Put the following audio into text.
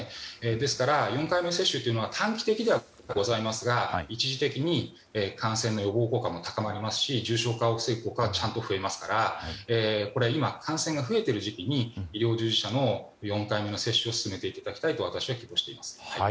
ですから４回目接種というのは短期的ではございますが一時的に感染の予防効果も高まりますし重症化を防ぐ効果はちゃんと増えますから今、感染が増えている時期に医療従事者も４回目の接種を進めていただきたいと私は希望しています。